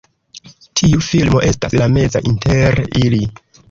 Tiu filmo estas la meza inter ili.